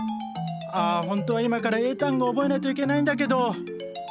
ああほんとは今から英単語を覚えないといけないんだけど。